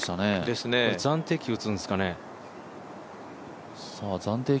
暫定球打つんですかね。